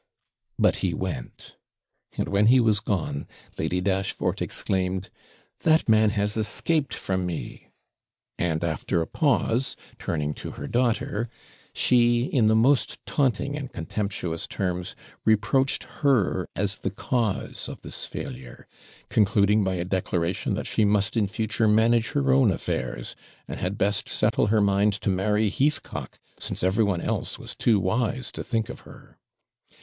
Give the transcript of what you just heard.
But he went; and, when he was gone, Lady Dashfort exclaimed, 'That man has escaped from me.' And after a pause, turning to her daughter, she, in the most taunting and contemptuous terms, reproached her as the cause of this failure, concluding by a declaration that she must in future manage her own affairs, and had best settle her mind to marry Heathcock, since every one else was too wise to think of her.